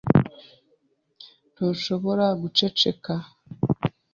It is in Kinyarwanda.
Ntushobora guceceka?